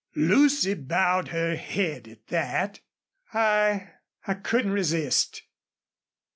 Lucy bowed her head at that. "I I couldn't resist!"